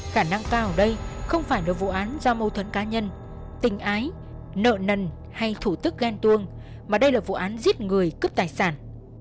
khả năng cao ở đây không phải là vụ án do mâu thuẫn cá nhân tình ái nợ nần hay thủ tức ghen tuông mà đây là vụ án giết người cướp tài sản